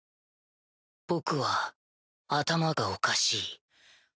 僕は頭がおかしい。